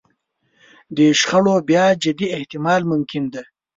د شخړو بیا جدي احتمال ممکن دی.